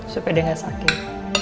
supaya dia gak sakit